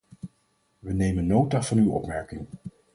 We nemen nota van uw opmerking.